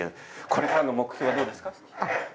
これからの目標どうですか。